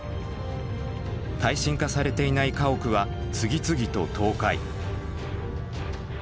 耐震化されていない家屋は次々と倒壊。